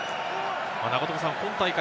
今大会